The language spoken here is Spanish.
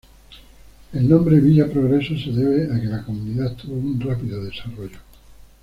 El nombre Villa Progreso se debe a que la comunidad tuvo un rápido desarrollo.